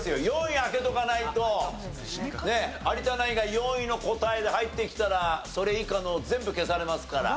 ４位開けとかないと有田ナインが４位の答えで入ってきたらそれ以下のを全部消されますから。